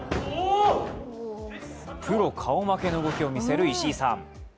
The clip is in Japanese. プロ顔負けの動きを見せる石井さん。